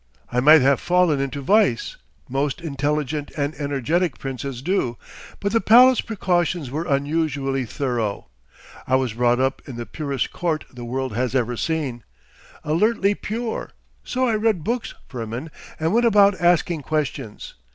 I might have fallen into vice, most intelligent and energetic princes do, but the palace precautions were unusually thorough. I was brought up in the purest court the world has ever seen.... Alertly pure.... So I read books, Firmin, and went about asking questions.